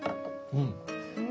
うん！